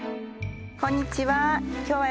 こんにちは。